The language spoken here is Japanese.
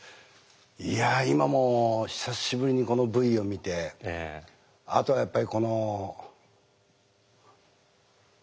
いや今も久しぶりにこのＶを見てあとはやっぱりこの。